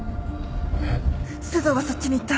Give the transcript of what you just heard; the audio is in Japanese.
須藤はそっちに行った？